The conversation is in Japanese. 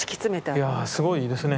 いやあすごいですね。